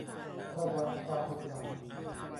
ระวังความผิดหวัง